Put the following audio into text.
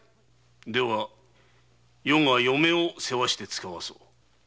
では余が嫁を世話してつかわす。